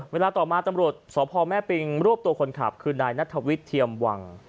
เวลาต่อมาตำรวจสพแม่ปิงรวบตัวคนขับคือนายนัทวิทย์เทียมวัง